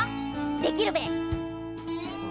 できるべ？